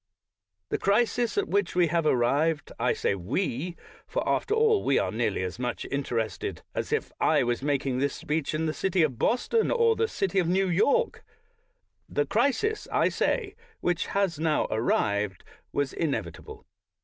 The crisis at which we have arrived — I say "we," for, after all, we are nearly as much in terested as if I was making this speech in the citj' of Boston or the city of New York — the crisis, I say, which has now arrived, was in evitable.